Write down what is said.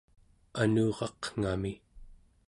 anuraqngami